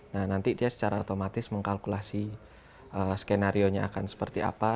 nah nanti dia secara otomatis mengkalkulasi skenario nya akan seperti apa